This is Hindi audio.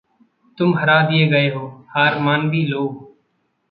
तुम हरा दिए गए हो। हार मान भी लो।